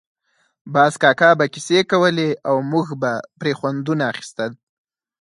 باز کاکا به کیسې کولې او موږ به پرې خوندونه اخیستل.